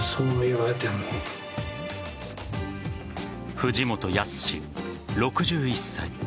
藤本靖、６１歳。